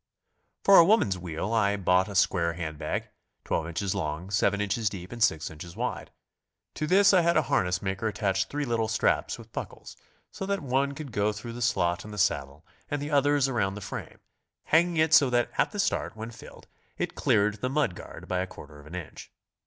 For a woman's wheel I bought a square hand bag, 12 in. long, 7 in. deep, and 6 in. wide. To this I had a harness maker attach three little straps with buckles, so that one could go through the slot in the saddle and the others around the frame, hanging it so that at the start when filled it cleared the mud guard by a quarter of an inch.